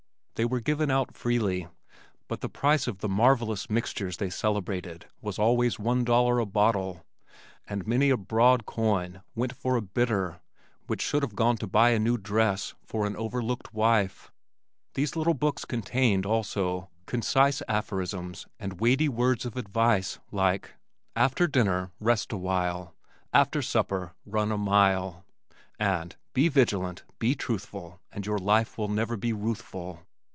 They were given out freely, but the price of the marvellous mixtures they celebrated was always one dollar a bottle, and many a broad coin went for a "bitter" which should have gone to buy a new dress for an overworked wife. These little books contained, also, concise aphorisms and weighty words of advice like "After dinner rest awhile; after supper run a mile," and "Be vigilant, be truthful and your life will never be ruthful."